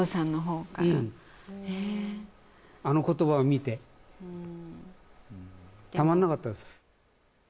うんへえあの言葉を見てたまんなかったです